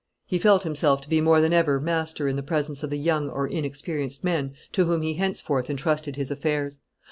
He felt himself to be more than ever master in the presence of the young or inexperienced men to whom he henceforth intrusted his affairs.